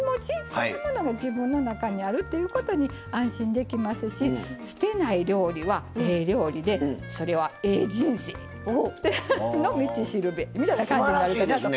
そんなものが自分の中にあるっていうことに安心できますし捨てない料理は「ええ料理」でそれは「ええ人生」の道しるべみたいな感じになるかなと。